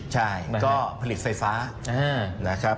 ใช่มันก็ผลิตไฟฟ้านะครับ